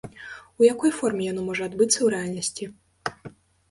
У якой форме яно можа адбыцца ў рэальнасці?